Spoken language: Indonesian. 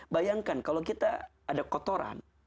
bayangkan kalau kita ada kotoran